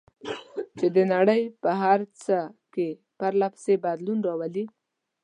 چې د نړۍ په هر څه کې پرله پسې بدلون راولي.